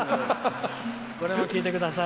これは聴いてください。